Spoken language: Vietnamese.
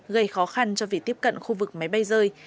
gây khó khăn cho việc tiếp cận khu vực máy bay rơi